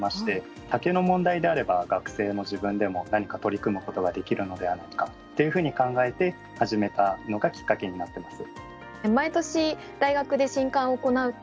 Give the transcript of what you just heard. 竹の問題であれば学生の自分でも何か取り組むことができるのではないかっていうふうに考えて始めたのがきっかけになってます。